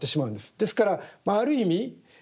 ですからある意味